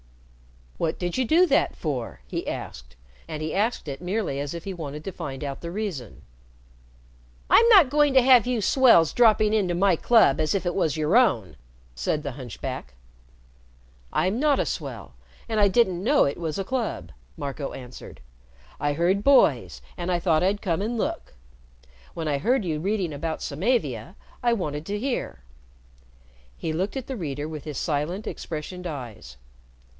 "What did you do that for?" he asked, and he asked it merely as if he wanted to find out the reason. "I'm not going to have you swells dropping in to my club as if it was your own," said the hunchback. "I'm not a swell, and I didn't know it was a club," Marco answered. "I heard boys, and I thought I'd come and look. When I heard you reading about Samavia, I wanted to hear." He looked at the reader with his silent expressioned eyes.